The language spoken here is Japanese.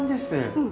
うん。